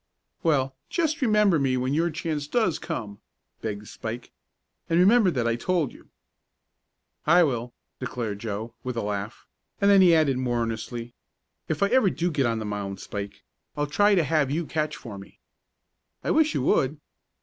"Well, just remember me when your chance does come," begged Spike. "And remember that I told you." "I will," declared Joe, with a laugh, and then he added more earnestly: "If ever I do get on the mound, Spike, I'll try to have you catch for me." "I wish you would!"